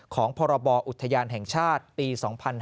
ของพบอุทยานแห่งชาติปี๒๕๕๙